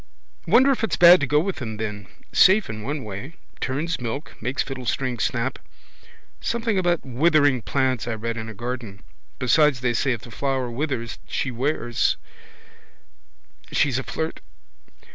Wonder if it's bad to go with them then. Safe in one way. Turns milk, makes fiddlestrings snap. Something about withering plants I read in a garden. Besides they say if the flower withers she wears she's a flirt.